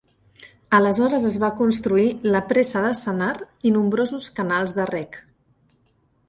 Aleshores es va construir la presa de Sennar i nombrosos canals de reg.